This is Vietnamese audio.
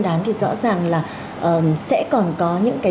đán thì rõ ràng là sẽ còn có những cái